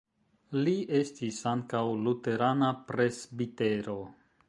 Li estis ankaŭ luterana presbitero.